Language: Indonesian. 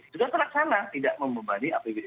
sudah terlaksana tidak membebani apbd